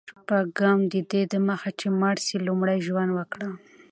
شپږم: ددې دمخه چي مړ سې، لومړی ژوند وکړه.